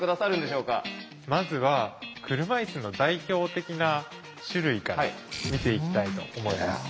まずは車いすの代表的な種類から見ていきたいと思います。